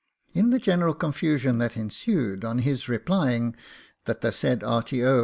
In the general confusion that ensued on his replying that the said R.T.O.